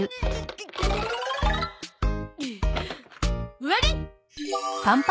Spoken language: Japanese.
終わり！